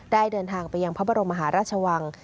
เดินทางไปยังพระบรมมหาราชวัง